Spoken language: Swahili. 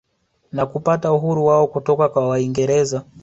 Na kupata uhuru wao kutoka kwa waingereza